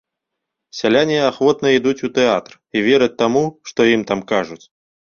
Сяляне ахвотна ідуць у тэатр і вераць таму, што ім там кажуць.